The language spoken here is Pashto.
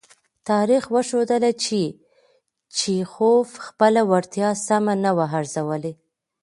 تاریخ وښودله چې چیخوف خپله وړتیا سمه نه وه ارزولې.